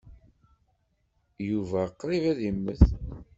Yuba qṛib ad immet.